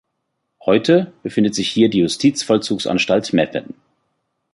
Heute befindet sich hier die Justizvollzugsanstalt Meppen.